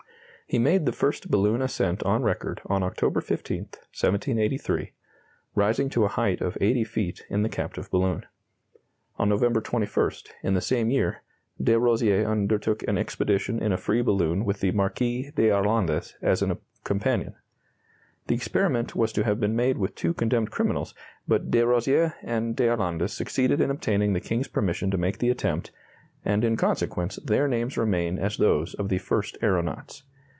He made the first balloon ascent on record on October 15, 1783, rising to a height of eighty feet, in the captive balloon. On November 21, in the same year, de Rozier undertook an expedition in a free balloon with the Marquis d'Arlandes as a companion. The experiment was to have been made with two condemned criminals, but de Rozier and d'Arlandes succeeded in obtaining the King's permission to make the attempt, and in consequence their names remain as those of the first aeronauts.